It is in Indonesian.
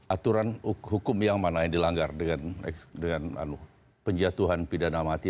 aturan hukum yang mana yang dilanggar dengan penjatuhan pidana mati